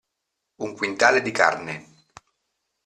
Un quintale di carne!